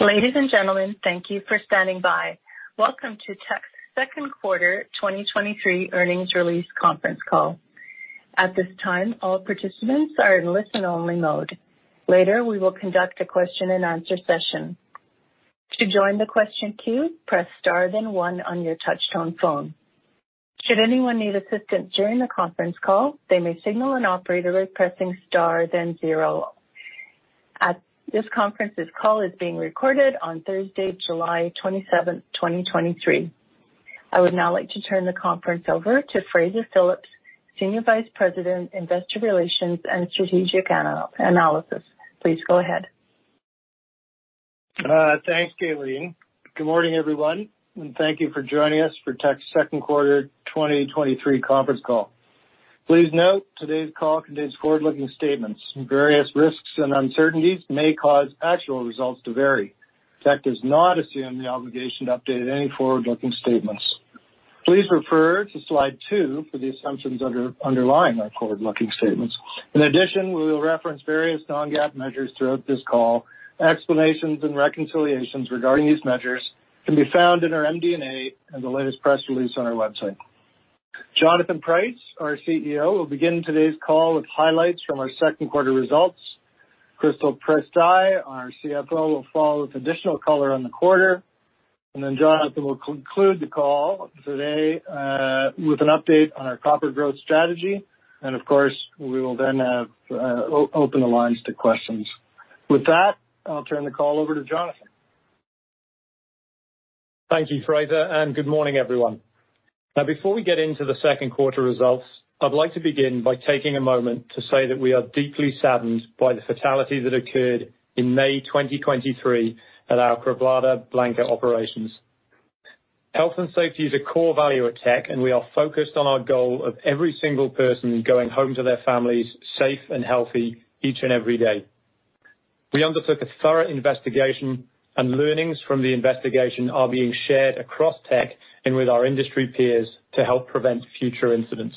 Ladies and gentlemen, thank you for standing by. Welcome to Teck's Q2 2023 Earnings Release Conference Call. At this time, all participants are in listen-only mode. Later, we will conduct a question-and-answer session. To join the question queue, press Star, then one on your touchtone phone. Should anyone need assistance during the conference call, they may signal an operator by pressing Star, then zero. This conference, this call is being recorded on Thursday, 27 July 2023. I would now like to turn the conference over to Fraser Phillips, Senior Vice President, Investor Relations and Strategic Analysis. Please go ahead. Thanks, Kayleen. Good morning, everyone, and thank you for joining us for Teck's Q2 2023 conference call. Please note, today's call contains forward-looking statements. Various risks and uncertainties may cause actual results to vary. Teck does not assume the obligation to update any forward-looking statements. Please refer to slide 2 for the assumptions underlying our forward-looking statements. In addition, we will reference various non-GAAP measures throughout this call. Explanations and reconciliations regarding these measures can be found in our MD&A and the latest press release on our website. Jonathan Price, our CEO, will begin today's call with highlights from our Q2 results. Sheila Murray, our CFO, will follow with additional color on the quarter, and then Jonathan will conclude the call today with an update on our copper growth strategy. We will then have open the lines to questions. With that, I'll turn the call over to Jonathan. Thank you, Fraser. Good morning, everyone. Before we get into the Q2 results, I'd like to begin by taking a moment to say that we are deeply saddened by the fatality that occurred in May 2023 at our Cerro Blanco operations. Health and safety is a core value at Teck, and we are focused on our goal of every single person going home to their families, safe and healthy, each and every day. We undertook a thorough investigation, and learnings from the investigation are being shared across Teck and with our industry peers to help prevent future incidents.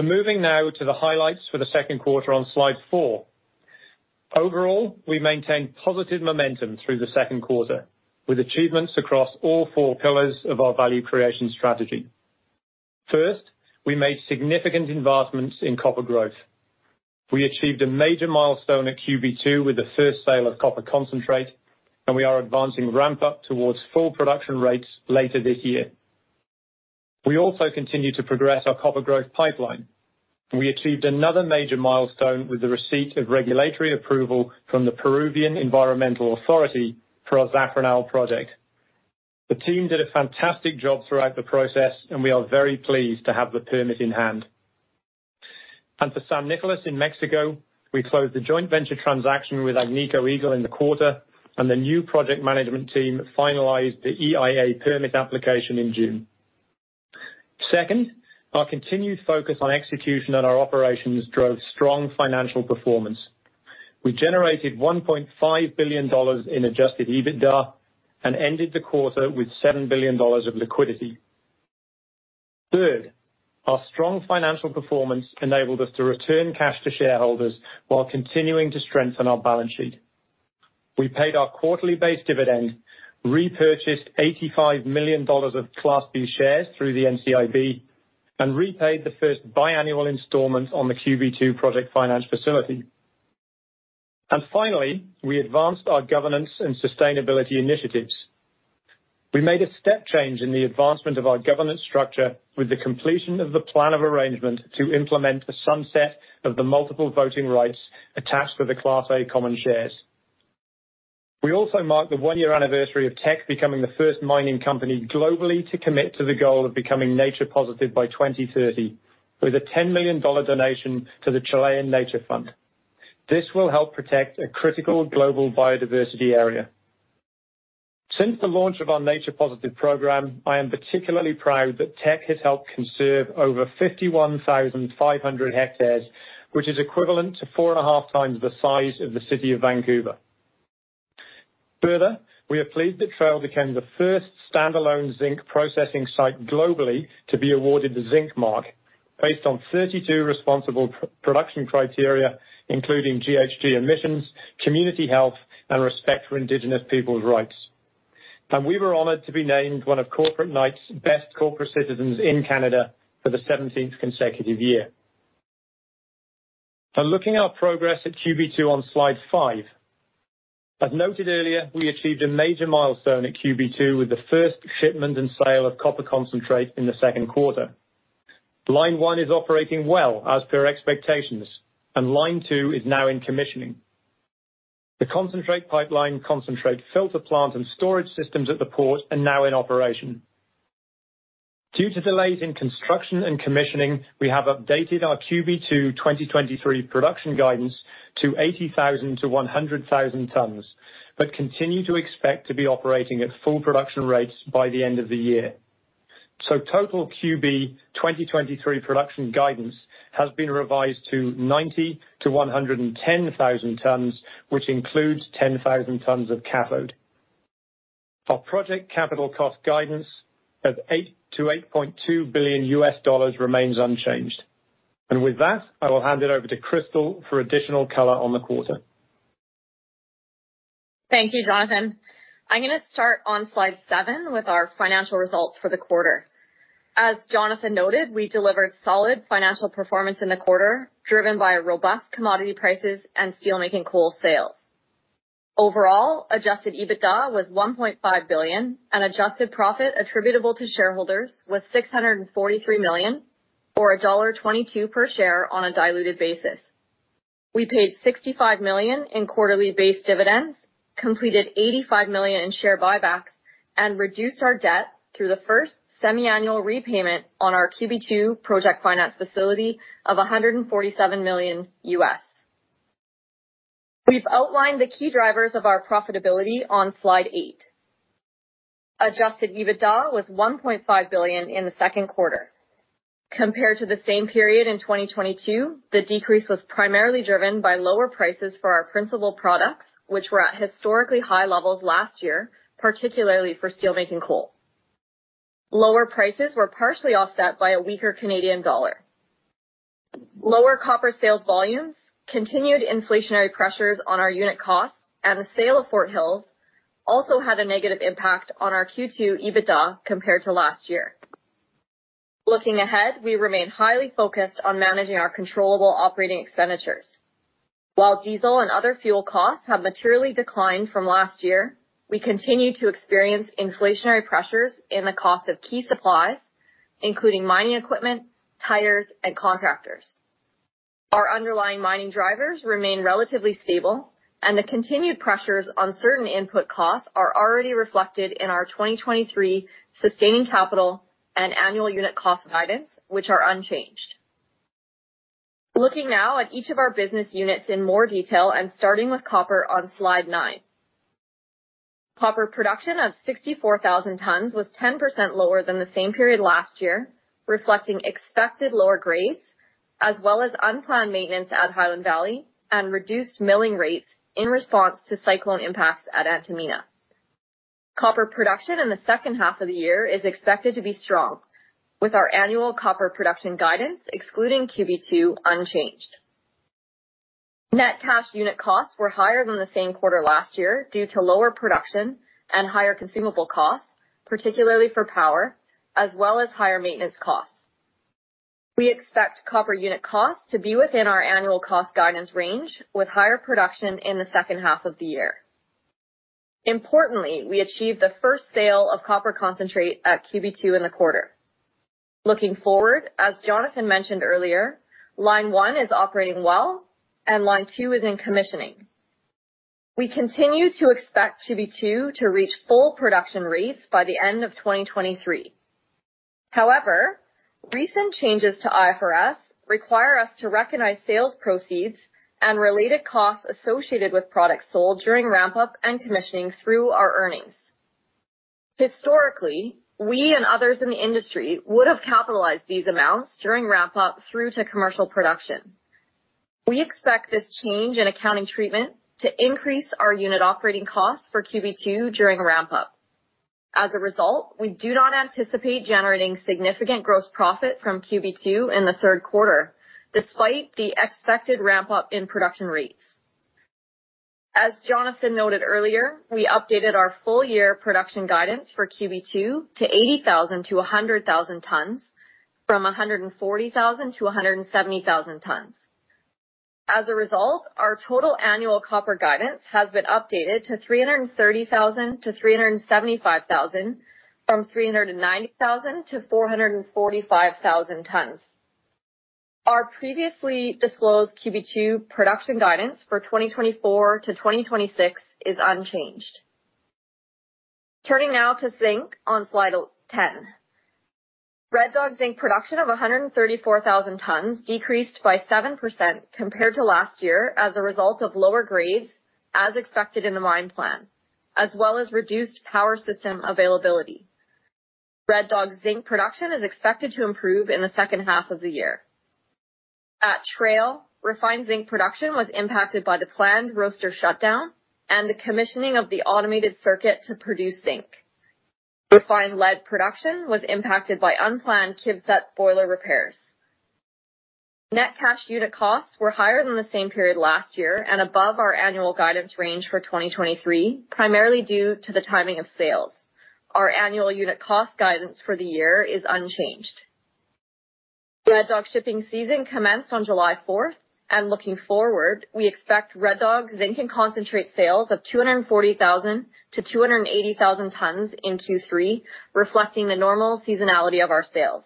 Moving now to the highlights for the Q2 on slide 4. Overall, we maintained positive momentum through the Q2, with achievements across all four pillars of our value creation strategy. First, we made significant investments in copper growth. We achieved a major milestone at QB2 with the first sale of copper concentrate. We are advancing ramp-up towards full production rates later this year. We also continued to progress our copper growth pipeline. We achieved another major milestone with the receipt of regulatory approval from the Peruvian Environmental Authority for our Zafranal project. The team did a fantastic job throughout the process. We are very pleased to have the permit in hand. For San Nicolás in Mexico, we closed the joint venture transaction with Agnico Eagle in the quarter. The new project management team finalized the EIA permit application in June. Second, our continued focus on execution at our operations drove strong financial performance. We generated $1.5 billion in adjusted EBITDA and ended the quarter with $7 billion of liquidity. Third, our strong financial performance enabled us to return cash to shareholders while continuing to strengthen our balance sheet. We paid our quarterly base dividend, repurchased $85 million of Class B shares through the NCIB, and repaid the first biannual installment on the QB2 project finance facility. Finally, we advanced our governance and sustainability initiatives. We made a step change in the advancement of our governance structure with the completion of the plan of arrangement to implement the sunset of the multiple voting rights attached to the Class A common shares. We also marked the one-year anniversary of Teck becoming the first mining company globally to commit to the goal of becoming Nature Positive by 2030, with a $10 million donation to the Chilean Nature Fund. This will help protect a critical global biodiversity area. Since the launch of our Nature Positive program, I am particularly proud that Teck has helped conserve over 51,500 hectares, which is equivalent to four and a half times the size of the city of Vancouver. Further, we are pleased that Trail became the first standalone zinc processing site globally to be awarded the Zinc Mark, based on 32 responsible production criteria, including GHG emissions, community health, and respect for indigenous people's rights. We were honored to be named one of Corporate Knights' best corporate citizens in Canada for the 17th consecutive year. Now, looking at our progress at QB2 on slide 5. As noted earlier, we achieved a major milestone at QB2 with the first shipment and sale of copper concentrate in the Q2. Line 1 is operating well as per expectations, and line 2 is now in commissioning. The concentrate pipeline, concentrate filter plant, and storage systems at the port are now in operation. Due to delays in construction and commissioning, we have updated our QB2 2023 production guidance to 80,000 to 100,000 tons, continue to expect to be operating at full production rates by the end of the year. Total QB 2023 production guidance has been revised to 90 to 110,000 tons, which includes 10,000 tons of cathode. Our project capital cost guidance of $8 to 8.2 billion remains unchanged. With that, I will hand it over to Crystal for additional color on the quarter. Thank you, Jonathan. I'm gonna start on slide 7 with our financial results for the quarter. As Jonathan noted, we delivered solid financial performance in the quarter, driven by robust commodity prices and steelmaking coal sales. Overall, adjusted EBITDA was $1.5 billion, and adjusted profit attributable to shareholders was $643 million, or $1.22 per share on a diluted basis. We paid $65 million in quarterly base dividends, completed $85 million in share buybacks, and reduced our debt through the first semiannual repayment on our QB2 project finance facility of $147 million US. We've outlined the key drivers of our profitability on slide 8. Adjusted EBITDA was $1.5 billion in the Q2. Compared to the same period in 2022, the decrease was primarily driven by lower prices for our principal products, which were at historically high levels last year, particularly for steelmaking coal. Lower prices were partially offset by a weaker Canadian dollar. Lower copper sales volumes, continued inflationary pressures on our unit costs, and the sale of Fort Hills also had a negative impact on our Q2 EBITDA compared to last year. We remain highly focused on managing our controllable operating expenditures. While diesel and other fuel costs have materially declined from last year, we continue to experience inflationary pressures in the cost of key supplies, including mining equipment, tires, and contractors. Our underlying mining drivers remain relatively stable. The continued pressures on certain input costs are already reflected in our 2023 sustaining capital and annual unit cost guidance, which are unchanged. Looking now at each of our business units in more detail, starting with copper on slide 9. Copper production of 64,000 tons was 10% lower than the same period last year, reflecting expected lower grades, as well as unplanned maintenance at Highland Valley and reduced milling rates in response to cyclone impacts at Antamina. Copper production in the second half of the year is expected to be strong, with our annual copper production guidance, excluding QB2, unchanged. Net cash unit costs were higher than the same quarter last year due to lower production and higher consumable costs, particularly for power, as well as higher maintenance costs. We expect copper unit costs to be within our annual cost guidance range, with higher production in the second half of the year. Importantly, we achieved the first sale of copper concentrate at QB2 in the quarter. Looking forward, as Jonathan mentioned earlier, line 1 is operating well and line 2 is in commissioning. We continue to expect QB2 to reach full production rates by the end of 2023. However, recent changes to IFRS require us to recognize sales proceeds and related costs associated with products sold during ramp-up and commissioning through our earnings. Historically, we and others in the industry would have capitalized these amounts during ramp-up through to commercial production. We expect this change in accounting treatment to increase our unit operating costs for QB2 during ramp-up. As a result, we do not anticipate generating significant gross profit from QB2 in the Q3, despite the expected ramp-up in production rates. As Jonathan noted earlier, we updated our full year production guidance for QB2 to 80,00 to 100,000 tons, from 140,000 to 170,000 tons. As a result, our total annual copper guidance has been updated to 330,000 to 375,000, from 390,000 to 445,000 tons. Our previously disclosed QB2 production guidance for 2024 to 2026 is unchanged. Turning now to zinc on slide 10. Red Dog zinc production of 134,000 tons decreased by 7% compared to last year, as a result of lower grades, as expected in the mine plan, as well as reduced power system availability. Red Dog zinc production is expected to improve in the second half of the year. At Trail, refined zinc production was impacted by the planned roaster shutdown and the commissioning of the automated circuit to produce zinc. Refined lead production was impacted by unplanned KIVCET boiler repairs. Net cash unit costs were higher than the same period last year and above our annual guidance range for 2023, primarily due to the timing of sales. Our annual unit cost guidance for the year is unchanged. Red Dog shipping season commenced on 4 July. Looking forward, we expect Red Dog zinc and concentrate sales of 240,000 to 280,000 tons in Q3, reflecting the normal seasonality of our sales.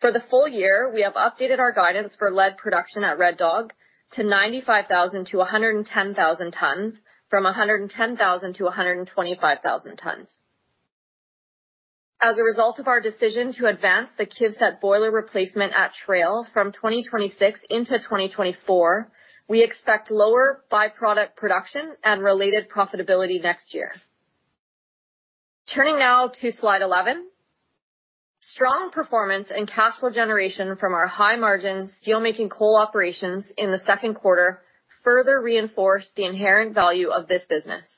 For the full year, we have updated our guidance for lead production at Red Dog to 95,000 to 110,000 tons, from 110,000 to 125,000 tons. As a result of our decision to advance the KIVCET boiler replacement at Trail from 2026 into 2024, we expect lower by-product production and related profitability next year. Turning now to slide 11. Strong performance and cash flow generation from our high-margin steelmaking coal operations in the Q2 further reinforced the inherent value of this business.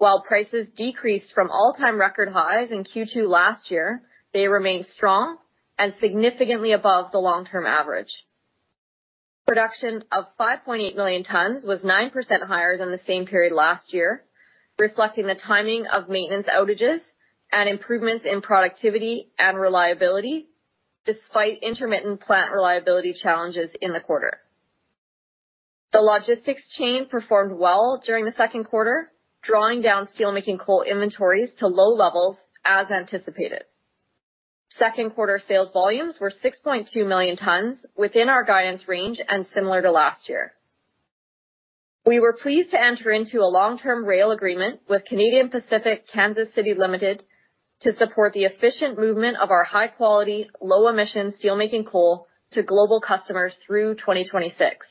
While prices decreased from all-time record highs in Q2 last year, they remained strong and significantly above the long-term average. Production of 5.8 million tons was 9% higher than the same period last year, reflecting the timing of maintenance outages and improvements in productivity and reliability, despite intermittent plant reliability challenges in the quarter. The logistics chain performed well during the Q2, drawing down steelmaking coal inventories to low levels as anticipated. Q2 sales volumes were 6.2 million tons, within our guidance range and similar to last year. We were pleased to enter into a long-term rail agreement with Canadian Pacific Kansas City Limited to support the efficient movement of our high-quality, low-emission steelmaking coal to global customers through 2026.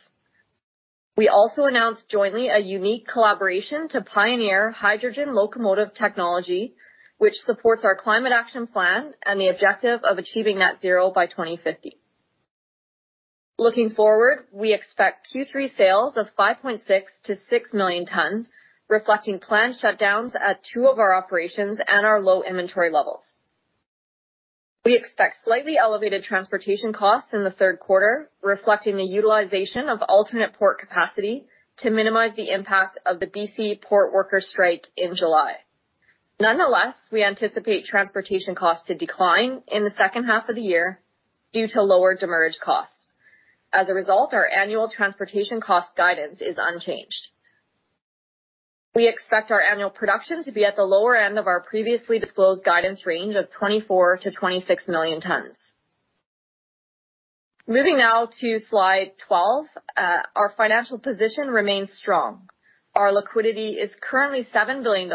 We also announced jointly a unique collaboration to pioneer hydrogen locomotive technology, which supports our climate action plan and the objective of achieving net zero by 2050. Looking forward, we expect Q3 sales of 5.6 million to 6 million tons, reflecting planned shutdowns at two of our operations and our low inventory levels. We expect slightly elevated transportation costs in the Q3, reflecting the utilization of alternate port capacity to minimize the impact of the BC port worker strike in July. Nonetheless, we anticipate transportation costs to decline in the second half of the year due to lower demurrage costs. As a result, our annual transportation cost guidance is unchanged. We expect our annual production to be at the lower end of our previously disclosed guidance range of 24 million to 26 million tons. Moving now to slide 12, our financial position remains strong. Our liquidity is currently $7 billion,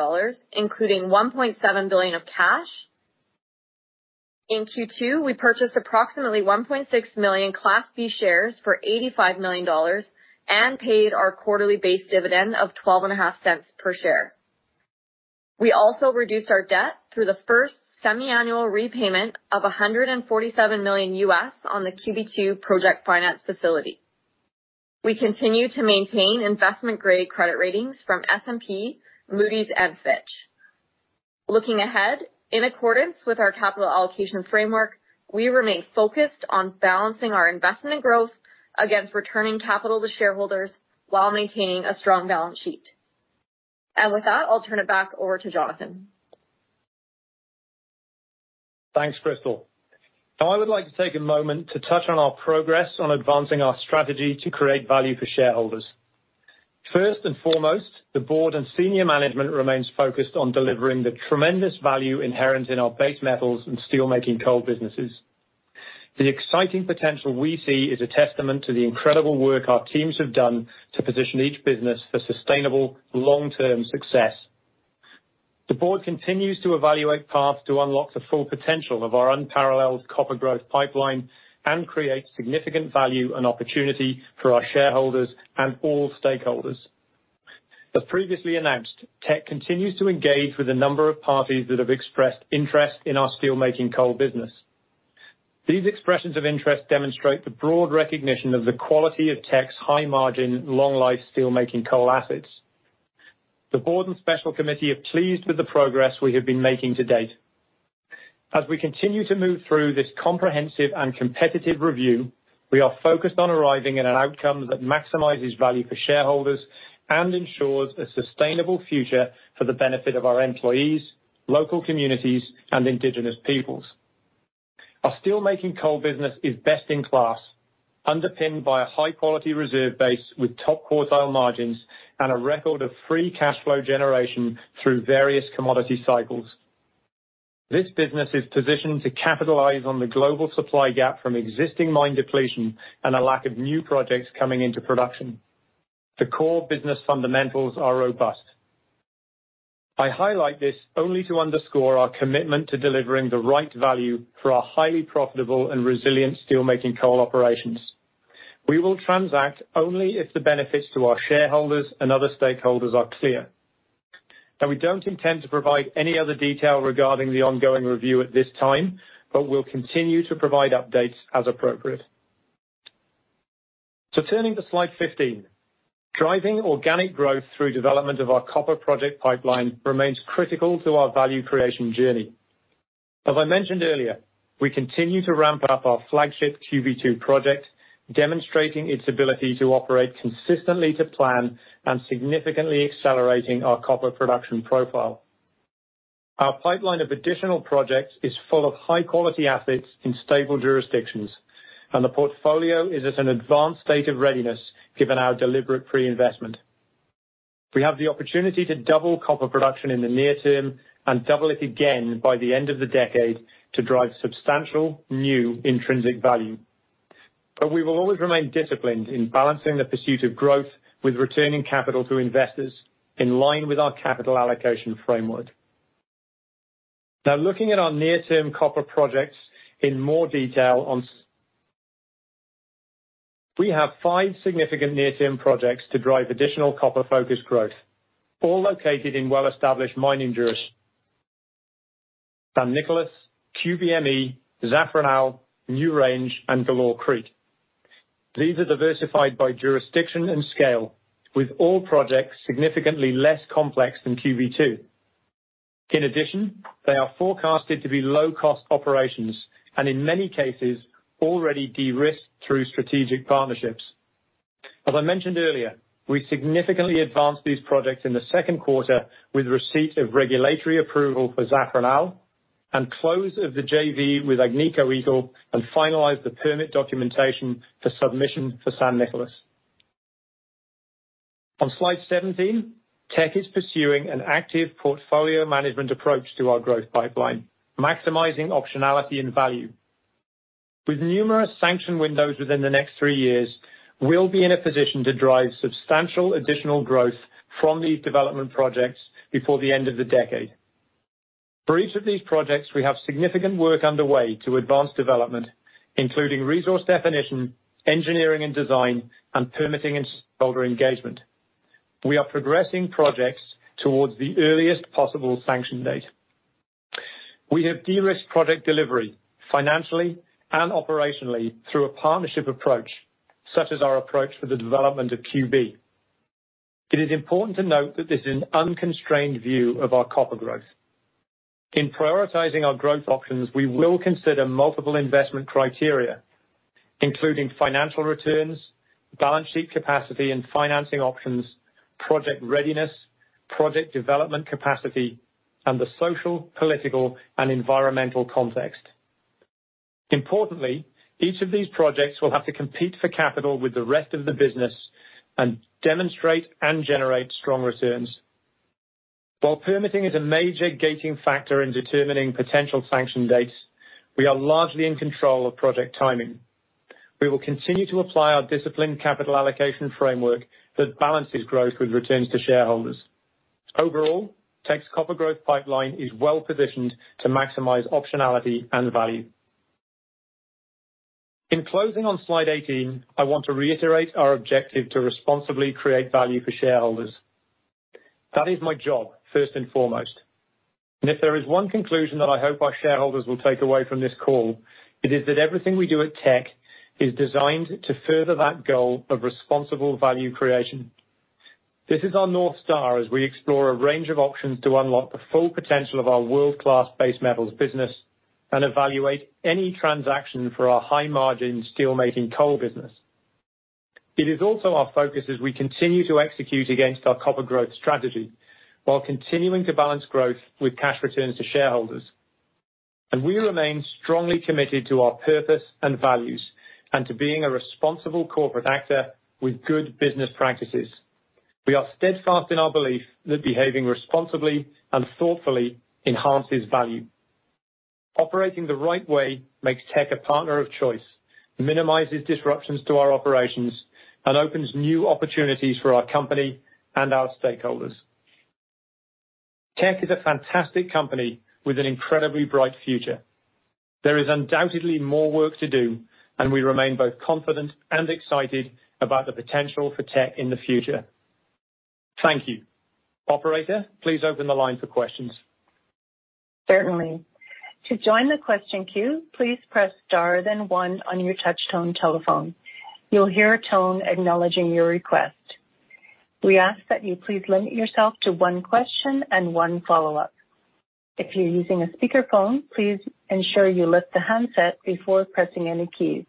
including $1.7 billion of cash. In Q2, we purchased approximately 1.6 million Class B shares for $85 million and paid our quarterly base dividend of $0.125 per share. We also reduced our debt through the first semi-annual repayment of $147 million on the QB2 project finance facility. We continue to maintain investment-grade credit ratings from S&P, Moody's, and Fitch. Looking ahead, in accordance with our capital allocation framework, we remain focused on balancing our investment growth against returning capital to shareholders while maintaining a strong balance sheet. With that, I'll turn it back over to Jonathan. Thanks, Crystal. Now, I would like to take a moment to touch on our progress on advancing our strategy to create value for shareholders. First and foremost, the board and senior management remains focused on delivering the tremendous value inherent in our base metals and steelmaking coal businesses. The exciting potential we see is a testament to the incredible work our teams have done to position each business for sustainable, long-term success. The board continues to evaluate paths to unlock the full potential of our unparalleled copper growth pipeline and create significant value and opportunity for our shareholders and all stakeholders. As previously announced, Teck continues to engage with a number of parties that have expressed interest in our steelmaking coal business. These expressions of interest demonstrate the broad recognition of the quality of Teck's high-margin, long-life steelmaking coal assets. The board and special committee are pleased with the progress we have been making to date. As we continue to move through this comprehensive and competitive review, we are focused on arriving at an outcome that maximizes value for shareholders and ensures a sustainable future for the benefit of our employees, local communities, and indigenous peoples. Our steelmaking coal business is best-in-class, underpinned by a high-quality reserve base with top-quartile margins and a record of free cash flow generation through various commodity cycles. This business is positioned to capitalize on the global supply gap from existing mine depletion and a lack of new projects coming into production. The core business fundamentals are robust. I highlight this only to underscore our commitment to delivering the right value for our highly profitable and resilient steelmaking coal operations. We will transact only if the benefits to our shareholders and other stakeholders are clear, and we don't intend to provide any other detail regarding the ongoing review at this time, but we'll continue to provide updates as appropriate. Turning to slide 15, driving organic growth through development of our copper project pipeline remains critical to our value creation journey. As I mentioned earlier, we continue to ramp up our flagship QB2 project, demonstrating its ability to operate consistently to plan and significantly accelerating our copper production profile. Our pipeline of additional projects is full of high-quality assets in stable jurisdictions, and the portfolio is at an advanced state of readiness, given our deliberate pre-investment. We have the opportunity to double copper production in the near term and double it again by the end of the decade to drive substantial new intrinsic value. We will always remain disciplined in balancing the pursuit of growth with returning capital to investors in line with our capital allocation framework. Now, looking at our near-term copper projects in more detail, we have five significant near-term projects to drive additional copper-focused growth, all located in well-established mining jurisdictions: San Nicolás, QBME, Zafranal, NewRange, and Galore Creek. These are diversified by jurisdiction and scale, with all projects significantly less complex than QB2. In addition, they are forecasted to be low-cost operations and in many cases already de-risked through strategic partnerships. As I mentioned earlier, we significantly advanced these projects in the Q2 with receipt of regulatory approval for Zafranal, and close of the JV with Agnico Eagle, and finalized the permit documentation for submission for San Nicolás. On slide 17, Teck is pursuing an active portfolio management approach to our growth pipeline, maximizing optionality and value. With numerous sanction windows within the next 3 years, we'll be in a position to drive substantial additional growth from these development projects before the end of the decade. For each of these projects, we have significant work underway to advance development, including resource definition, engineering and design, and permitting and stakeholder engagement. We are progressing projects towards the earliest possible sanction date. We have de-risked project delivery financially and operationally through a partnership approach, such as our approach for the development of QB. It is important to note that this is an unconstrained view of our copper growth. In prioritizing our growth options, we will consider multiple investment criteria, including financial returns, balance sheet capacity and financing options, project readiness, project development capacity, and the social, political, and environmental context. Importantly, each of these projects will have to compete for capital with the rest of the business and demonstrate and generate strong returns. While permitting is a major gating factor in determining potential sanction dates, we are largely in control of project timing. We will continue to apply our disciplined capital allocation framework that balances growth with returns to shareholders. Overall, Teck's copper growth pipeline is well positioned to maximize optionality and value. In closing on slide 18, I want to reiterate our objective to responsibly create value for shareholders. That is my job, first and foremost, if there is one conclusion that I hope our shareholders will take away from this call, it is that everything we do at Teck is designed to further that goal of responsible value creation. This is our North Star as we explore a range of options to unlock the full potential of our world-class base metals business and evaluate any transaction for our high-margin steelmaking coal business. It is also our focus as we continue to execute against our copper growth strategy, while continuing to balance growth with cash returns to shareholders. We remain strongly committed to our purpose and values and to being a responsible corporate actor with good business practices. We are steadfast in our belief that behaving responsibly and thoughtfully enhances value. Operating the right way makes Teck a partner of choice, minimizes disruptions to our operations, and opens new opportunities for our company and our stakeholders. Teck is a fantastic company with an incredibly bright future. There is undoubtedly more work to do, and we remain both confident and excited about the potential for Teck in the future. Thank you. Operator, please open the line for questions. Certainly. To join the question queue, please press star then one on your touchtone telephone. You'll hear a tone acknowledging your request. We ask that you please limit yourself to one question and one follow-up. If you're using a speakerphone, please ensure you lift the handset before pressing any keys.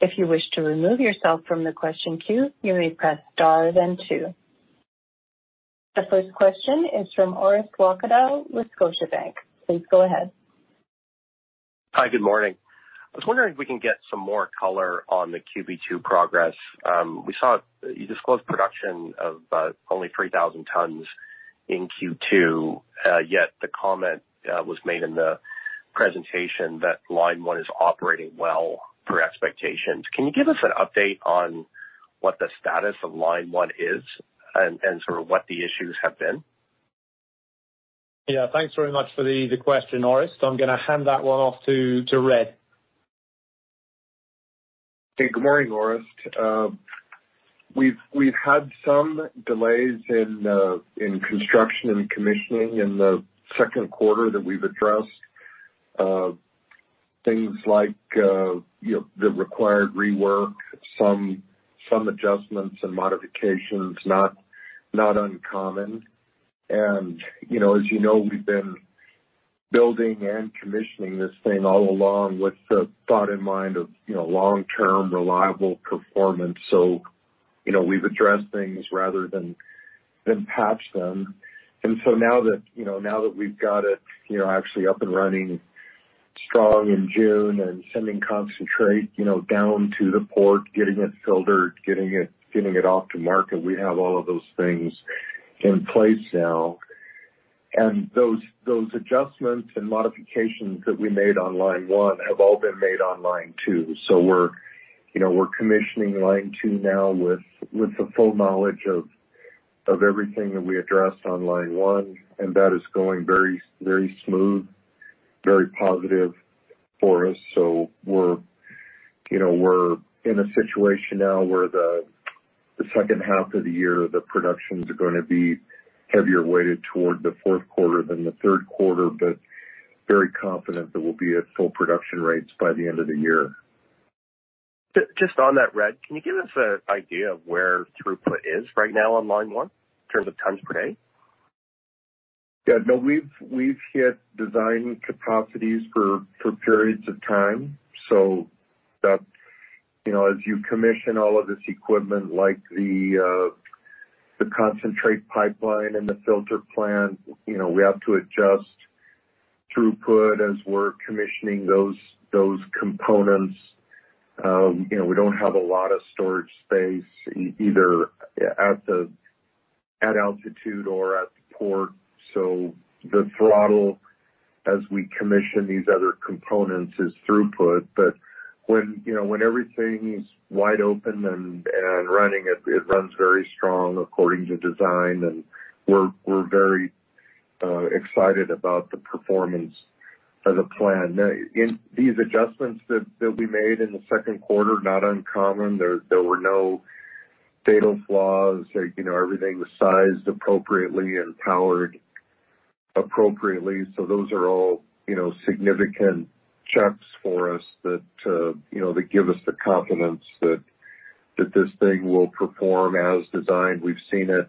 If you wish to remove yourself from the question queue, you may press star then two. The first question is from Orest Walkewych with Scotiabank. Please go ahead. Hi, good morning. I was wondering if we can get some more color on the QB2 progress. We saw you disclosed production of only 3,000 tons in Q2. Yet the comment was made in the presentation that line one is operating well per expectations. Can you give us an update on what the status of line one is and sort of what the issues have been? Yeah, thanks very much for the question, Orest. I'm gonna hand that one off to Jared. Hey, good morning, Orest. We've had some delays in construction and commissioning in the Q2 that we've addressed. Things like, you know, the required rework, some adjustments and modifications, not uncommon. You know, as you know, we've been building and commissioning this thing all along with the thought in mind of, you know, long-term, reliable performance. You know, we've addressed things rather than patch them. Now that, you know, now that we've got it, you know, actually up and running strong in June and sending concentrate, you know, down to the port, getting it filtered, getting it off to market, we have all of those things in place now. Those adjustments and modifications that we made on line 1 have all been made on line 2. We're, you know, we're commissioning line two now with, with the full knowledge of, of everything that we addressed on line one, and that is going very, very smooth. Very positive for us. We're, you know, we're in a situation now where the second half of the year, the production is gonna be heavier weighted toward the Q4 than the Q3, but very confident that we'll be at full production rates by the end of the year. Just on that, Red, can you give us an idea of where throughput is right now on line 1 in terms of tons per day? Yeah, no, we've hit design capacities for periods of time. You know, as you commission all of this equipment, like the concentrate pipeline and the filter plant, you know, we have to adjust throughput as we're commissioning those components. You know, we don't have a lot of storage space either at the altitude or at the port, so the throttle as we commission these other components is throughput. When, you know, when everything's wide open and running, it runs very strong according to design, and we're very excited about the performance of the plan. Now, in these adjustments that we made in the Q2, not uncommon. There were no fatal flaws. Like, you know, everything was sized appropriately and powered appropriately. Those are all, you know, significant checks for us that, you know, that give us the confidence that this thing will perform as designed. We've seen it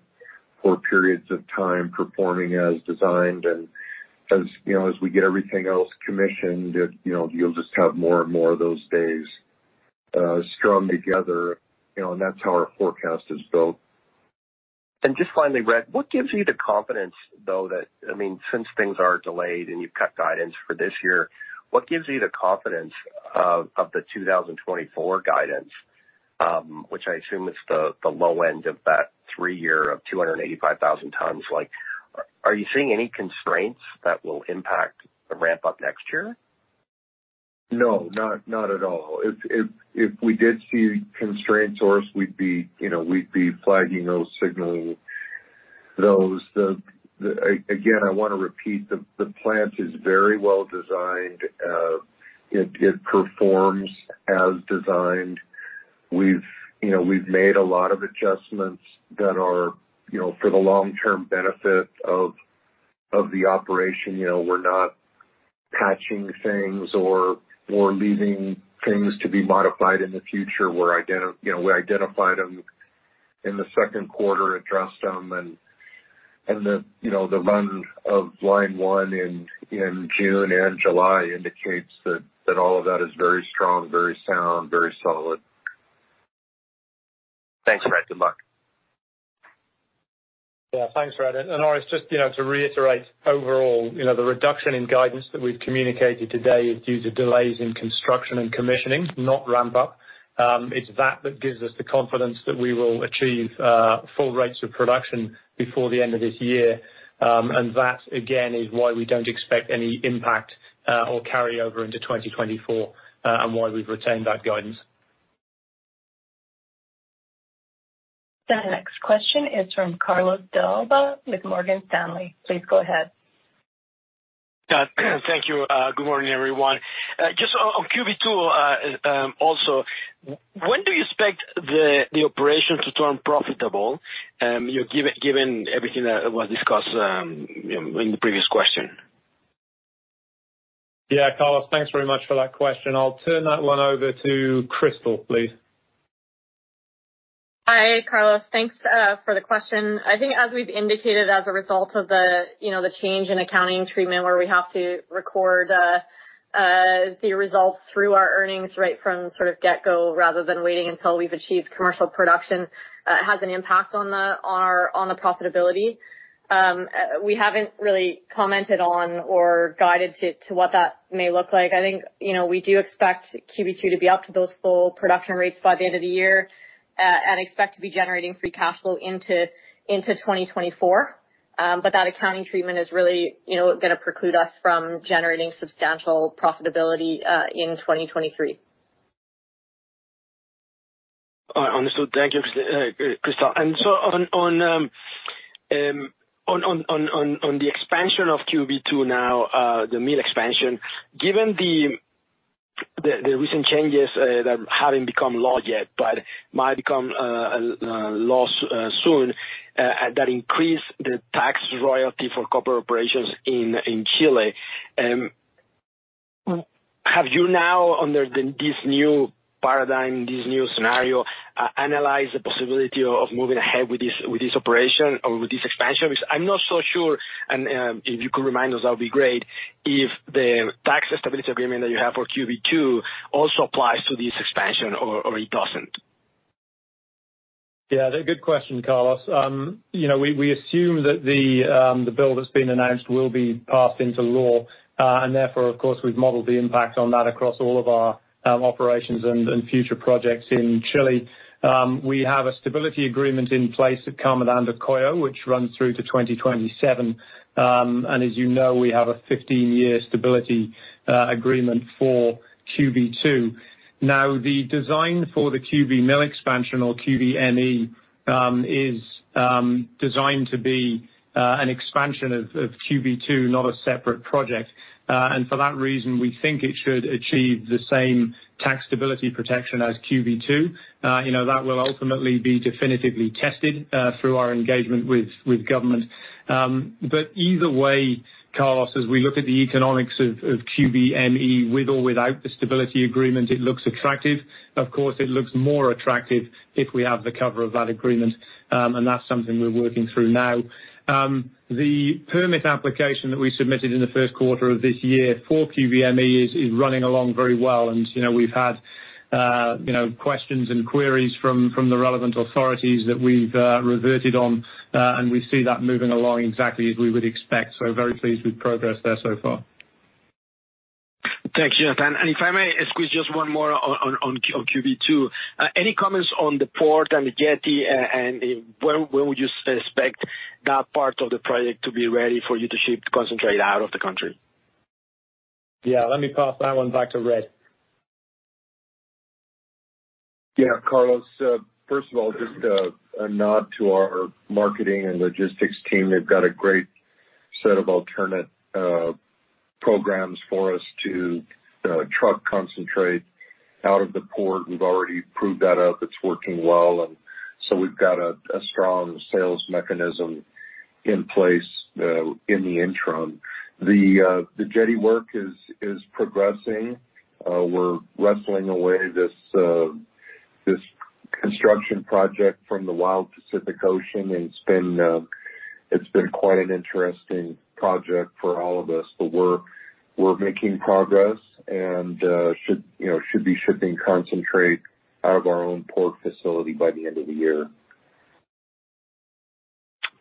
for periods of time performing as designed, and as, you know, as we get everything else commissioned, it, you know, you'll just have more and more of those days strung together, you know, and that's how our forecast is built. Just finally, Red, what gives you the confidence, though, that I mean, since things are delayed and you've cut guidance for this year, what gives you the confidence of the 2024 guidance, which I assume is the low end of that 3 year of 285,000 tons? Like, are you seeing any constraints that will impact the ramp-up next year? No, not at all. If we did see constraints, Orest, we'd be, you know, we'd be flagging those, signaling those. Again, I wanna repeat, the plant is very well designed. It performs as designed. We've, you know, we've made a lot of adjustments that are, you know, for the long-term benefit of the operation. You know, we're not patching things or leaving things to be modified in the future. We identified them in the Q2, addressed them, and the, you know, the run of line one in June and July indicates that all of that is very strong, very sound, very solid. Thanks, Red. Good luck. Yeah. Thanks, Red. Orest, just, you know, to reiterate, overall, you know, the reduction in guidance that we've communicated today is due to delays in construction and commissioning, not ramp-up. It's that gives us the confidence that we will achieve full rates of production before the end of this year. That, again, is why we don't expect any impact or carry over into 2024, and why we've retained that guidance. The next question is from Carlos de Alba with Morgan Stanley. Please go ahead. Yeah. Thank you. Good morning, everyone. just on QB2, also, when do you expect the operation to turn profitable, you know, given everything that was discussed, you know, in the previous question? Yeah, Carlos, thanks very much for that question. I'll turn that one over to Crystal, please. Hi, Carlos. Thanks for the question. I think as we've indicated, as a result of the, you know, the change in accounting treatment, where we have to record the results through our earnings right from sort of get go, rather than waiting until we've achieved commercial production, has an impact on the, on our, on the profitability. We haven't really commented on or guided to what that may look like. I think, you know, we do expect QB2 to be up to those full production rates by the end of the year, and expect to be generating free cash flow into 2024. That accounting treatment is really, you know, gonna preclude us from generating substantial profitability in 2023. All right. Understood. Thank you, Crystal. On the expansion of QB2 now, the mill expansion, given the recent changes that haven't become law yet, but might become laws soon, that increase the tax royalty for corporate operations in Chile, have you now, under this new paradigm, this new scenario, analyze the possibility of moving ahead with this, with this operation or with this expansion? Because I'm not so sure, and if you could remind us, that would be great, if the tax stability agreement that you have for QB2 also applies to this expansion or it doesn't. Yeah, good question, Carlos. You know, we assume that the bill that's been announced will be passed into law, and therefore, of course, we've modeled the impact on that across all of our operations and future projects in Chile. We have a stability agreement in place at Carmen de Andacollo, which runs through to 2027. As you know, we have a 15-year stability agreement for QB2. Now, the design for the QB Mill Expansion, or QBME, is designed to be an expansion of QB2, not a separate project. For that reason, we think it should achieve the same tax stability protection as QB2. You know, that will ultimately be definitively tested through our engagement with, with government. Either way, Carlos, as we look at the economics of QBME, with or without the stability agreement, it looks attractive. Of course, it looks more attractive if we have the cover of that agreement, and that's something we're working through now. The permit application that we submitted in the Q1 of this year for QBME is running along very well. You know, we've had, you know, questions and queries from, from the relevant authorities that we've reverted on, and we see that moving along exactly as we would expect. Very pleased with progress there so far. Thanks, Jonathan. If I may squeeze just one more on QB2. Any comments on the port and the jetty, and in when would you expect that part of the project to be ready for you to ship concentrate out of the country? Yeah, let me pass that one back to Red. Yeah, Carlos, first of all, just a nod to our marketing and logistics team. They've got a great set of alternate programs for us to truck concentrate out of the port. We've already proved that out. It's working well, and so we've got a strong sales mechanism in place in the interim. The jetty work is progressing. We're wrestling away this construction project from the wild Pacific Ocean, and it's been quite an interesting project for all of us. We're making progress and should, you know, should be shipping concentrate out of our own port facility by the end of the year.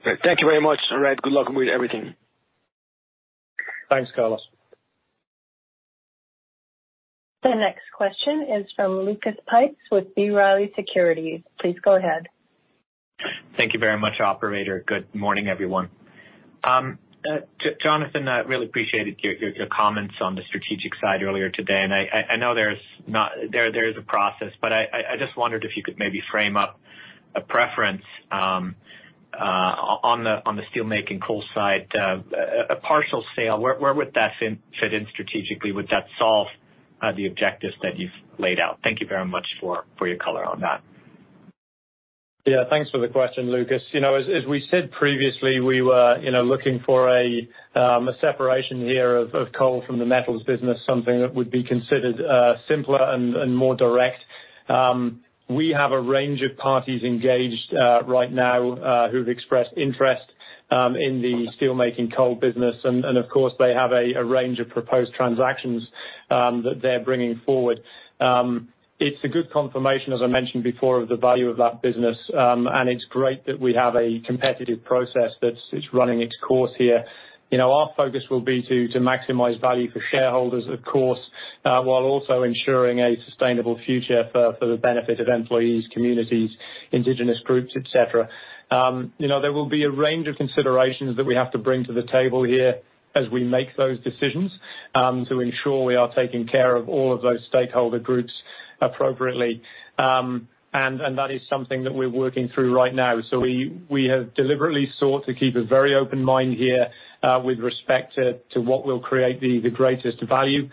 Thank you very much, Red. Good luck with everything. Thanks, Carlos. The next question is from Lucas Pipes with B. Riley Securities. Please go ahead. Thank you very much, operator. Good morning, everyone. Jonathan, I really appreciated your comments on the strategic side earlier today, and I know there is a process, but I just wondered if you could maybe frame up a preference on the steelmaking coal side, a partial sale, where would that fit in strategically? Would that solve the objectives that you've laid out? Thank you very much for your color on that. Yeah, thanks for the question, Lucas. You know, as we said previously, we were, you know, looking for a separation of coal from the metals business, something that would be considered simpler and more direct. We have a range of parties engaged right now who've expressed interest in the steelmaking coal business, and of course, they have a range of proposed transactions that they're bringing forward. It's a good confirmation, as I mentioned before, of the value of that business, and it's great that we have a competitive process that's running its course here. You know, our focus will be to maximize value for shareholders, of course, while also ensuring a sustainable future for the benefit of employees, communities, indigenous groups, et cetera. You know, there will be a range of considerations that we have to bring to the table here as we make those decisions to ensure we are taking care of all of those stakeholder groups appropriately. That is something that we're working through right now. We have deliberately sought to keep a very open mind here, with respect to what will create the greatest value.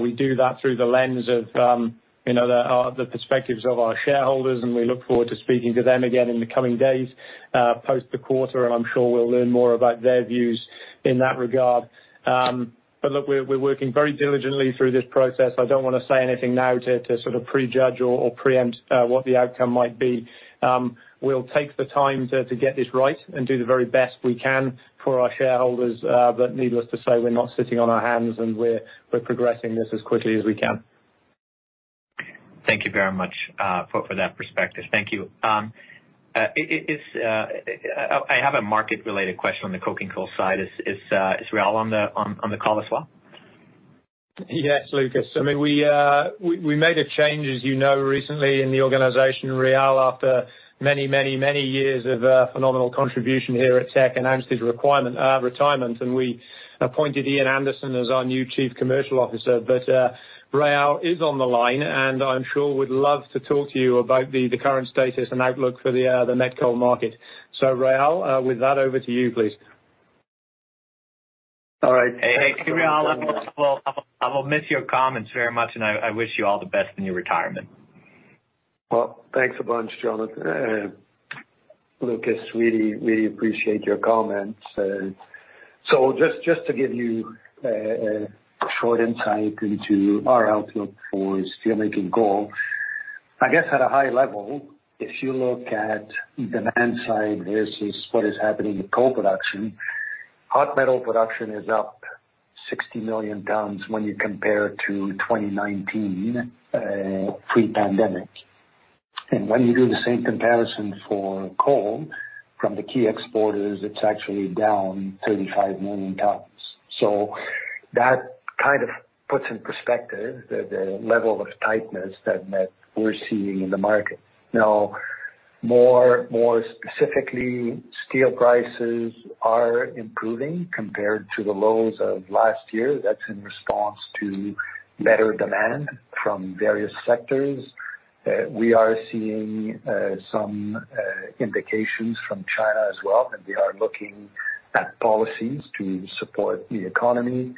We do that through the lens of, you know, the perspectives of our shareholders, and we look forward to speaking to them again in the coming days, post the quarter, and I'm sure we'll learn more about their views in that regard. Look, we're working very diligently through this process. I don't wanna say anything now to sort of prejudge or preempt what the outcome might be. We'll take the time to get this right and do the very best we can for our shareholders. Needless to say, we're not sitting on our hands, and we're progressing this as quickly as we can. Thank you very much for that perspective. Thank you. I have a market-related question on the coking coal side. Is Réal on the call as well? Yes, Lucas. I mean, we made a change, as you know, recently in the organization, Réal, after many years of phenomenal contribution here at Teck, announced his retirement, and we appointed Ian Anderson as our new chief commercial officer. Réal is on the line, and I'm sure would love to talk to you about the current status and outlook for the met coal market. Réal, with that, over to you, please. All right. Hey, Réal, I will miss your comments very much, and I wish you all the best in your retirement. Well, thanks a bunch, Jonathan, and Lucas, really, really appreciate your comments. Just, just to give you a short insight into our outlook for steelmaking coal. I guess at a high level, if you look at demand side versus what is happening in coal production, hot metal production is up 60 million tons when you compare to 2019 pre-pandemic. When you do the same comparison for coal from the key exporters, it's actually down 35 million tons. That kind of puts in perspective the level of tightness that we're seeing in the market. More specifically, steel prices are improving compared to the lows of last year. That's in response to better demand from various sectors. We are seeing some indications from China as well. They are looking at policies to support the economy.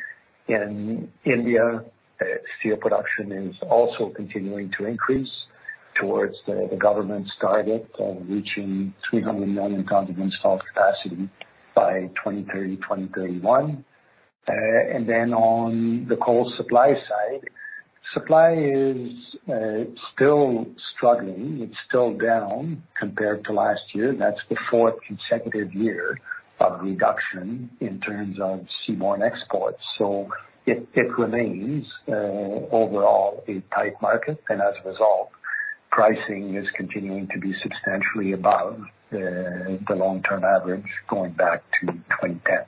In India, steel production is also continuing to increase towards the government's target of reaching 300 million tons of installed capacity by 2030, 2031. On the coal supply side, supply is still struggling. It's still down compared to last year. That's the fourth consecutive year of reduction in terms of seaborne exports. It remains overall a tight market, and as a result, pricing is continuing to be substantially above the, the long-term average, going back to 2010.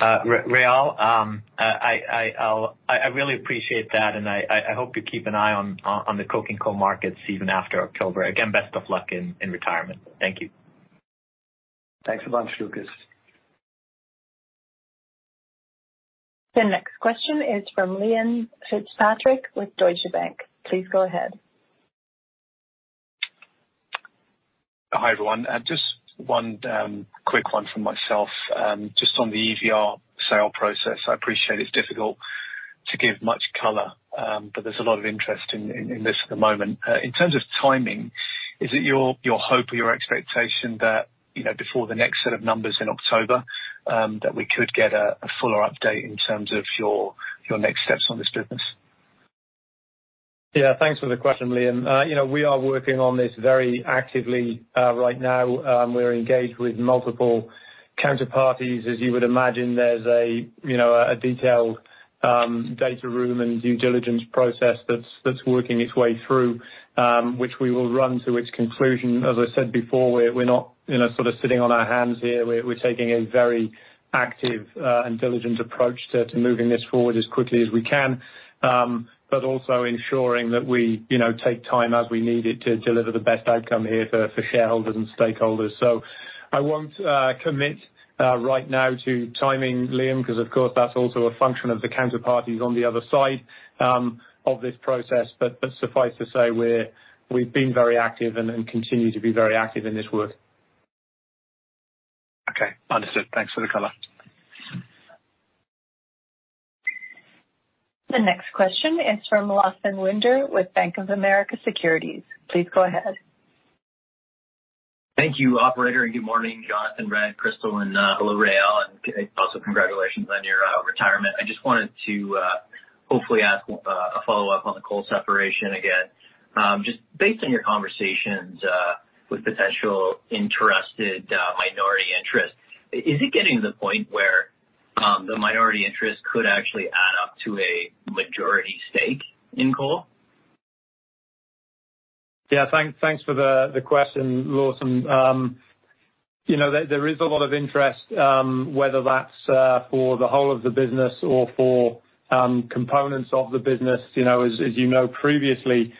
Réal, I really appreciate that. I hope you keep an eye on the coking coal markets even after October. Again, best of luck in retirement. Thank you. Thanks a bunch, Lucas. The next question is from Liam Fitzpatrick with Deutsche Bank. Please go ahead. Hi, everyone. Just one quick one from myself, just on the EVR sale process. I appreciate it's difficult to give much color, but there's a lot of interest in this at the moment. In terms of timing, is it your hope or your expectation that, you know, before the next set of numbers in October, that we could get a fuller update in terms of your next steps on this business? Yeah, thanks for the question, Liam. you know, we are working on this very actively right now. We're engaged with multiple counterparties. As you would imagine, there's you know, a detailed data room and due diligence process that's working its way through, which we will run to its conclusion. As I said before, we're not, you know, sort of sitting on our hands here. We're taking a very active and diligent approach to moving this forward as quickly as we can. Also ensuring that we, you know, take time as we need it to deliver the best outcome here for shareholders and stakeholders. I won't commit right now to timing, Liam, 'cause, of course, that's also a function of the counterparties on the other side of this process. But suffice to say, we've been very active and continue to be very active in this work. Okay, understood. Thanks for the color. The next question is from Lawson Winder with Bank of America Securities. Please go ahead. Thank you, operator. Good morning, Jonathan, Red, Crystal, and hello, Réal, and also congratulations on your retirement. I just wanted to ask a follow-up on the coal separation again. Just based on your conversations with potential interested minority interests, is it getting to the point where the minority interest could actually add up to a majority stake in coal? Thanks for the question, Lawson. You know, there is a lot of interest, whether that's for the whole of the business or for components of the business. You know, as you know, previously,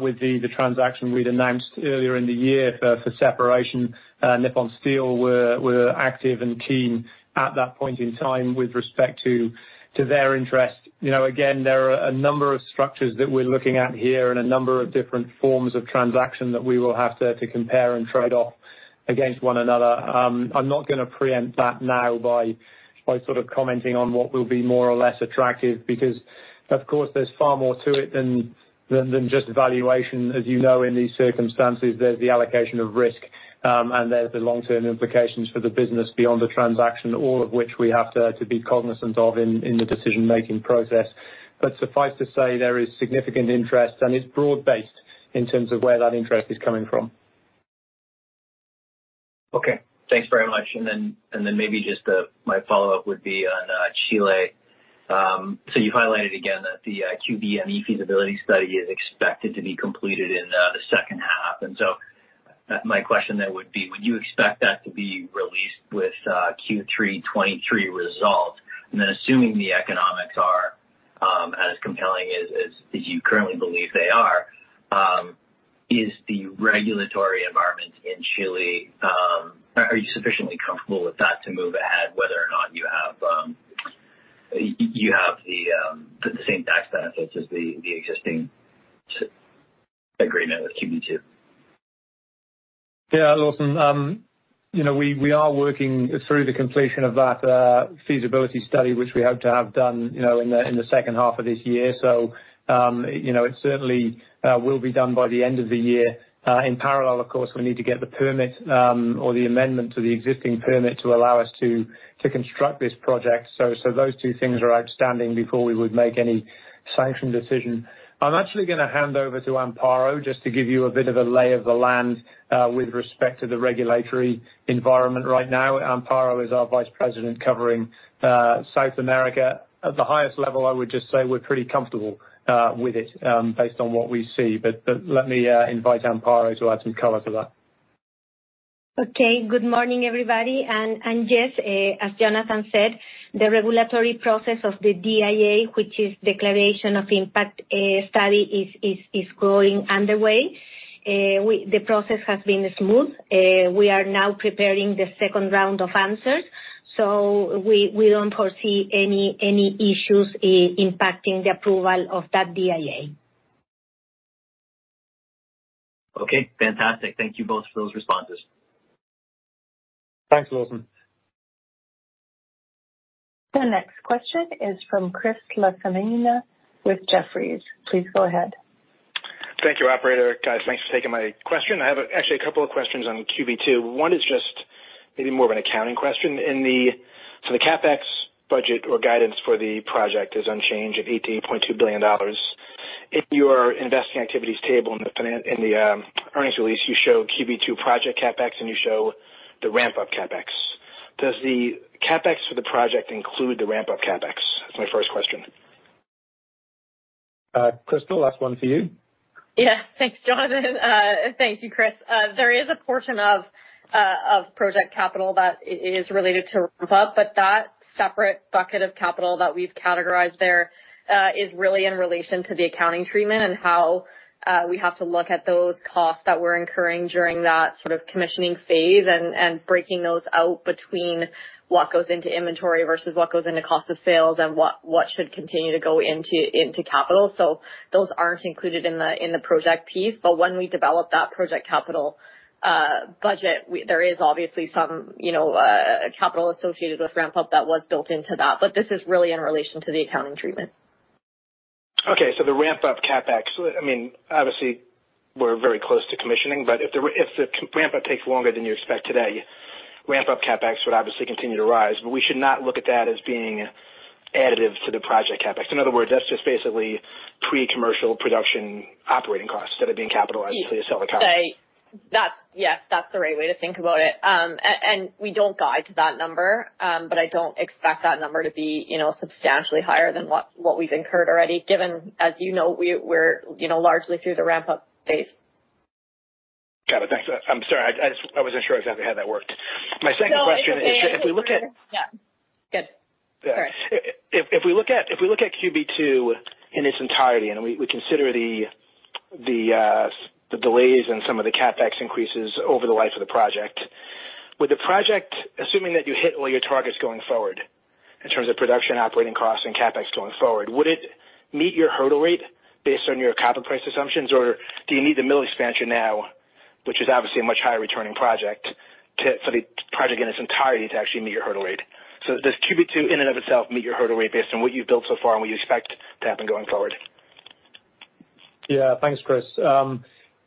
with the transaction we'd announced earlier in the year for separation, Nippon Steel were active and keen at that point in time with respect to their interest. You know, again, there are a number of structures that we're looking at here and a number of different forms of transaction that we will have to compare and trade off against one another. I'm not gonna preempt that now by sort of commenting on what will be more or less attractive, because, of course, there's far more to it than just valuation. As you know, in these circumstances, there's the allocation of risk, and there's the long-term implications for the business beyond the transaction, all of which we have to be cognizant of in the decision-making process. Suffice to say, there is significant interest, and it's broad-based in terms of where that interest is coming from. Okay. Thanks very much. My follow-up would be on Chile. You highlighted again that the QBME feasibility study is expected to be completed in the second half. My question then would be: Would you expect that to be released with Q3 2023 results? Assuming the economics are as compelling as you currently believe they are, is the regulatory environment in Chile sufficiently comfortable with that to move ahead, whether or not you have the same tax benefits as the existing agreement with Quebrada Blanca Phase 2? Yeah, Lawson. You know, we are working through the completion of that feasibility study, which we hope to have done, you know, in the second half of this year. You know, it certainly will be done by the end of the year. In parallel, of course, we need to get the permit or the amendment to the existing permit to allow us to construct this project. So those two things are outstanding before we would make any sanction decision. I'm actually gonna hand over to Amparo just to give you a bit of a lay of the land with respect to the regulatory environment right now. Amparo is our vice president covering South America. At the highest level, I would just say we're pretty comfortable with it, based on what we see, but let me invite Amparo to add some color to that. Okay, good morning, everybody. Yes, as Jonathan said, the regulatory process of the DIA, which is Declaration of Impact, study, is going underway. The process has been smooth. We are now preparing the second round of answers, so we don't foresee any issues impacting the approval of that DIA. Okay, fantastic. Thank you both for those responses. Thanks, Lawson. The next question is from Chris LaFemina with Jefferies. Please go ahead. Thank you, operator. Guys, thanks for taking my question. I have actually a couple of questions on QB Two. One is just maybe more of an accounting question. The CapEx budget or guidance for the project is unchanged at $18.2 billion. In your investing activities table, in the earnings release, you show QB2 project CapEx, and you show the ramp-up CapEx. Does the CapEx for the project include the ramp-up CapEx? That's my first question. Crystal, last one for you. Yes. Thanks, Jonathan. Thank you, Chris. There is a portion of project capital that is related to ramp up, but that separate bucket of capital that we've categorized there, is really in relation to the accounting treatment and how we have to look at those costs that we're incurring during that sort of commissioning phase and breaking those out between what goes into inventory versus what goes into cost of sales and what should continue to go into capital. Those aren't included in the project piece, but when we develop that project capital, budget, we there is obviously some, you know, capital associated with ramp up that was built into that, but this is really in relation to the accounting treatment. Okay, the ramp-up CapEx, I mean, obviously we're very close to commissioning. If the ramp up takes longer than you expect today, ramp-up CapEx would obviously continue to rise. We should not look at that as being additive to the project CapEx. In other words, that's just basically pre-commercial production operating costs instead of being capitalized into sell account. Yes, that's the right way to think about it. We don't guide to that number, but I don't expect that number to be, you know, substantially higher than what we've incurred already, given, as you know, we're, you know, largely through the ramp-up phase. Got it. Thanks for that. I'm sorry, I just, I wasn't sure exactly how that worked. No, it's okay. My second question is, if we look. Yeah. Good. If we look at QB Two in its entirety, and we consider the delays and some of the CapEx increases over the life of the project, would the project, assuming that you hit all your targets going forward, in terms of production, operating costs, and CapEx going forward, would it meet your hurdle rate based on your copper price assumptions, or do you need the mill expansion now, which is obviously a much higher returning project, for the project in its entirety to actually meet your hurdle rate? Does QB Two, in and of itself, meet your hurdle rate based on what you've built so far, and what you expect to happen going forward? Yeah. Thanks, Chris.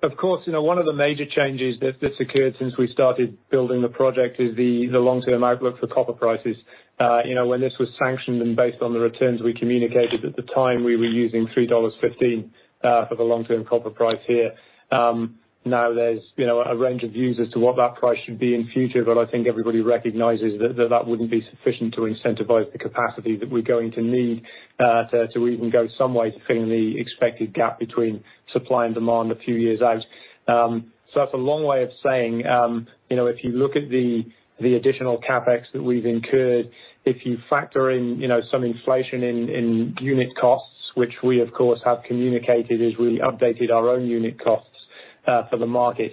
Of course, you know, one of the major changes that's occurred since we started building the project is the long-term outlook for copper prices. You know, when this was sanctioned and based on the returns we communicated at the time, we were using $3.15 for the long-term copper price here. Now there's, you know, a range of views as to what that price should be in future, but I think everybody recognizes that wouldn't be sufficient to incentivize the capacity that we're going to need to even go some way to filling the expected gap between supply and demand a few years out. That's a long way of saying, you know, if you look at the additional CapEx that we've incurred, if you factor in, you know, some inflation in unit costs, which we, of course, have communicated as we updated our own unit costs for the market,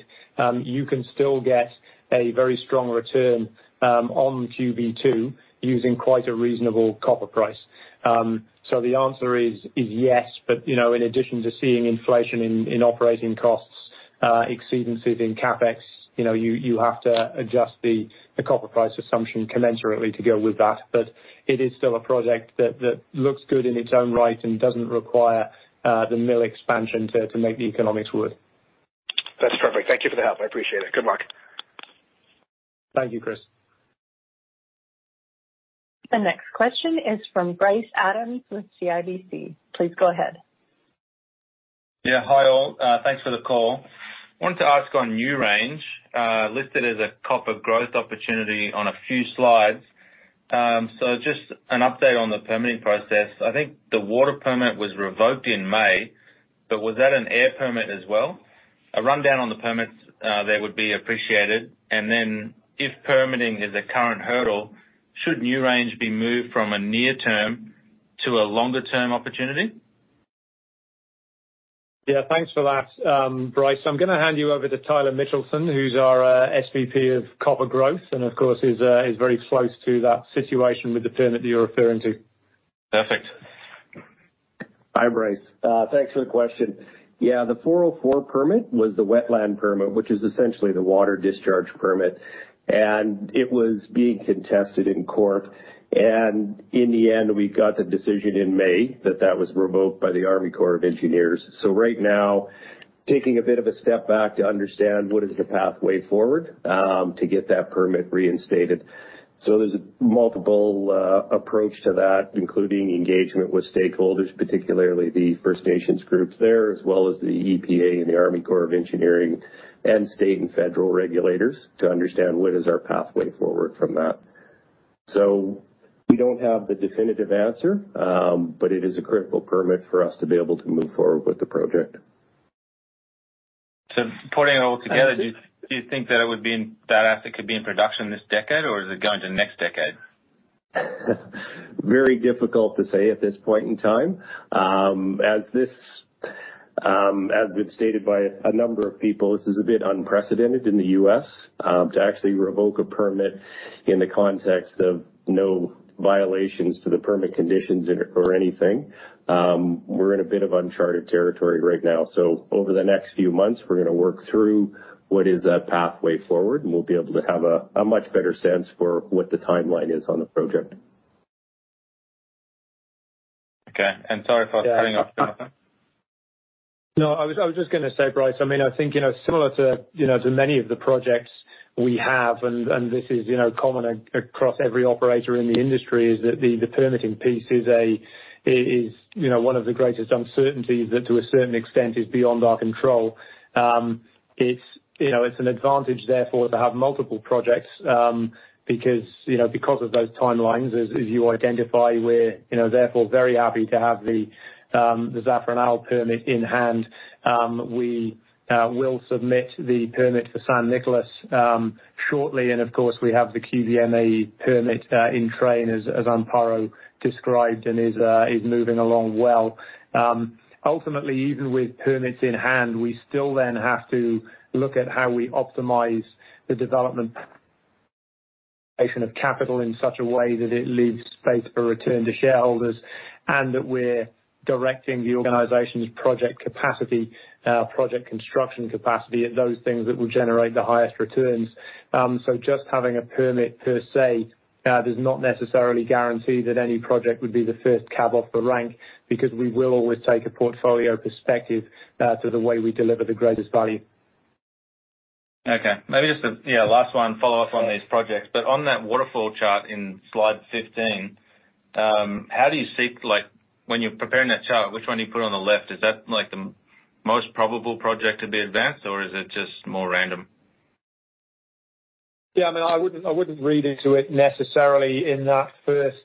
you can still get a very strong return on QB Two using quite a reasonable copper price. The answer is, is yes, but, you know, in addition to seeing inflation in operating costs, exceedances in CapEx, you know, you have to adjust the copper price assumption commensurately to go with that. It is still a project that looks good in its own right and doesn't require the mill expansion to make the economics work. That's perfect. Thank you for the help. I appreciate it. Good luck. Thank you, Chris. The next question is from Bryce Adams with CIBC. Please go ahead. Yeah. Hi, all. Thanks for the call. I wanted to ask on NewRange, listed as a copper growth opportunity on a few slides. Just an update on the permitting process. I think the water permit was revoked in May, was that an air permit as well? A rundown on the permits, there would be appreciated. If permitting is a current hurdle, should NewRange be moved from a near term to a longer-term opportunity? Yeah, thanks for that, Bryce. I'm gonna hand you over to Tyler Mitchelson, who's our SVP of Copper Growth, and of course, is very close to that situation with the permit that you're referring to. Perfect. Hi, Bryce. Thanks for the question. Yeah, the 404 permit was the wetland permit, which is essentially the water discharge permit, and it was being contested in court. In the end, we got the decision in May that that was revoked by the Army Corps of Engineers. Right now, taking a bit of a step back to understand what is the pathway forward to get that permit reinstated. There's a multiple approach to that, including engagement with stakeholders, particularly the First Nations groups there, as well as the EPA and the Army Corps of Engineers and state and federal regulators, to understand what is our pathway forward from that. We don't have the definitive answer, but it is a critical permit for us to be able to move forward with the project. Putting it all together, do you think that asset could be in production this decade, or is it going to next decade? Very difficult to say at this point in time. As this as been stated by a number of people, this is a bit unprecedented in the U.S., to actually revoke a permit in the context of no violations to the permit conditions or anything. We're in a bit of uncharted territory right now. Over the next few months, we're gonna work through what is a pathway forward, and we'll be able to have a much better sense for what the timeline is on the project. Okay, sorry for cutting off, Jonathan. I was just gonna say, Bryce, I mean, I think, you know, similar to, you know, to many of the projects we have, this is, you know, common across every operator in the industry, is that the permitting piece is one of the greatest uncertainties that, to a certain extent, is beyond our control. It's, you know, it's an advantage, therefore, to have multiple projects, because, you know, because of those timelines, as you identify, we're, you know, therefore very happy to have the Zafranal permit in hand. We will submit the permit for San Nicolás shortly, and of course, we have the QBME permit in train, as Amparo described, and is moving along well. Ultimately, even with permits in hand, we still then have to look at how we optimize the development of capital in such a way that it leaves space for return to shareholders, and that we're directing the organization's project capacity, project construction capacity, at those things that will generate the highest returns. Just having a permit per se, does not necessarily guarantee that any project would be the first cab off the rank, because we will always take a portfolio perspective, to the way we deliver the greatest value. Okay. Maybe just last one, follow-up on these projects. On that waterfall chart in slide 15, Like, when you're preparing that chart, which one do you put on the left? Is that, like, the most probable project to be advanced, or is it just more random? Yeah, I mean, I wouldn't, I wouldn't read into it necessarily in that first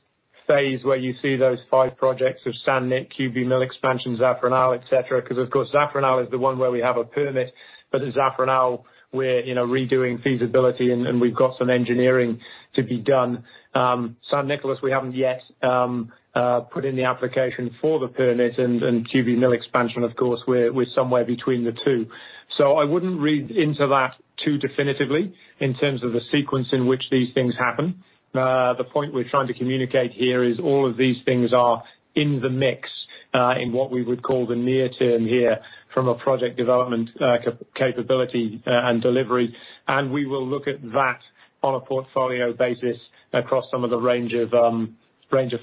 phase, where you see those five projects of San Nicolás, QB Mill Expansion, Zafra et cetera, because, of course, Zafra is the one where we have a permit, but at Zafra now we're, you know, redoing feasibility and, and we've got some engineering to be done. San Nicolás, we haven't yet, put in the application for the permit, and, and QB Mill Expansion, of course, we're, we're somewhere between the two. I wouldn't read into that too definitively in terms of the sequence in which these things happen. The point we're trying to communicate here is all of these things are in the mix, in what we would call the near term here from a project development, capability, and delivery. We will look at that on a portfolio basis across some of the range of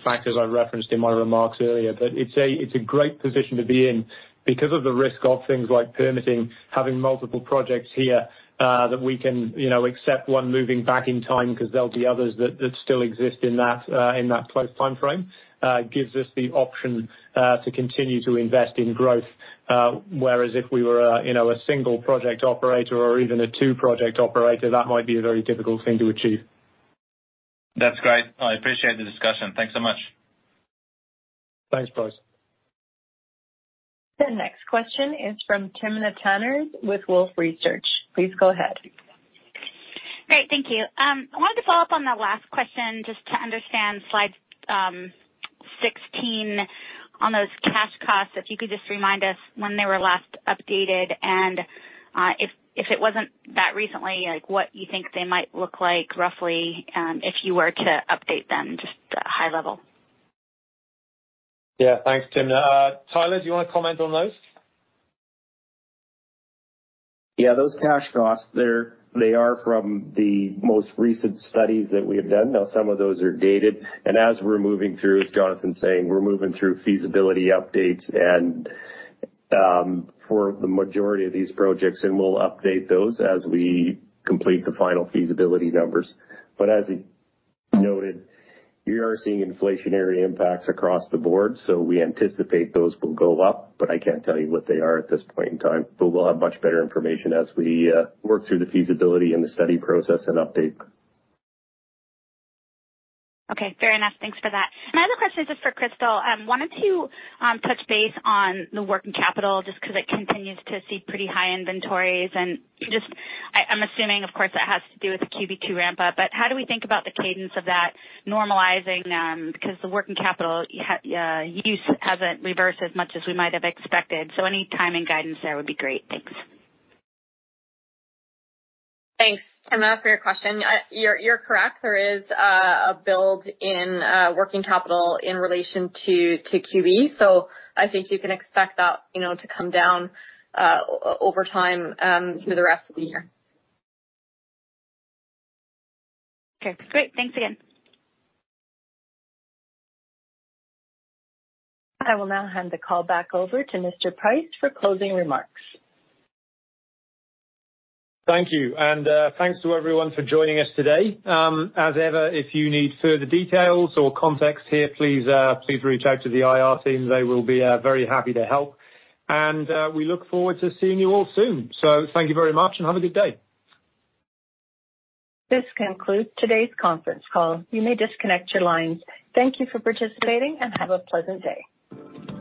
factors I referenced in my remarks earlier. It's a great position to be in. Because of the risk of things like permitting, having multiple projects here, that we can, you know, accept one moving back in time, 'cause there'll be others that still exist in that close timeframe, gives us the option to continue to invest in growth. Whereas if we were a, you know, a single project operator or even a two-project operator, that might be a very difficult thing to achieve. That's great. I appreciate the discussion. Thanks so much. Thanks, Bryce. The next question is from Timna Tanners with Wolfe Research. Please go ahead. Great. Thank you. I wanted to follow up on that last question, just to understand slide 16, on those cash costs. If you could just remind us when they were last updated, and, if it wasn't that recently, like, what you think they might look like roughly, if you were to update them, just, high level. Yeah. Thanks, Timna. Tyler, do you want to comment on those? Yeah. Those cash costs, they are from the most recent studies that we have done. Now, some of those are dated, as we're moving through, as Jonathan saying, we're moving through feasibility updates and for the majority of these projects, and we'll update those as we complete the final feasibility numbers. As he noted, we are seeing inflationary impacts across the board, so we anticipate those will go up, but I can't tell you what they are at this point in time. We'll have much better information as we work through the feasibility and the study process and update. Okay, fair enough. Thanks for that. My other question is just for Crystal. wanted to touch base on the working capital, just 'cause it continues to see pretty high inventories. I'm assuming, of course, that has to do with the QB two ramp up, but how do we think about the cadence of that normalizing? because the working capital use hasn't reversed as much as we might have expected. Any timing guidance there would be great. Thanks. Thanks, Timna, for your question. You're correct. There is a build in working capital in relation to QB. I think you can expect that, you know, to come down over time through the rest of the year. Okay, great. Thanks again. I will now hand the call back over to Mr. Price for closing remarks. Thank you, and thanks to everyone for joining us today. As ever, if you need further details or context here, please reach out to the IR team. They will be very happy to help. We look forward to seeing you all soon. Thank you very much, and have a good day. This concludes today's conference call. You may disconnect your lines. Thank you for participating. Have a pleasant day.